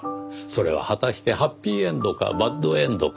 それは果たしてハッピーエンドかバッドエンドか。